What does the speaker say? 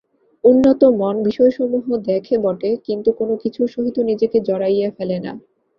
উন্নত মন বিষয়সমূহ দেখে বটে, কিন্তু কোন কিছুর সহিত নিজেকে জড়াইয়া ফেলে না।